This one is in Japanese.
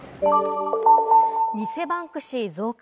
偽バンクシー増加。